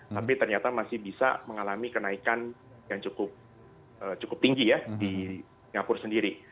tapi ternyata masih bisa mengalami kenaikan yang cukup tinggi ya di singapura sendiri